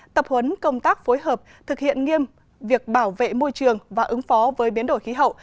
tập huấn công tác phối hợp thực hiện nghiêm việc bảo vệ môi trường và ứng phó với biến đổi khí hậu